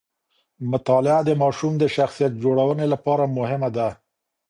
مطالعه د ماشوم د شخصیت جوړونې لپاره مهمه ده.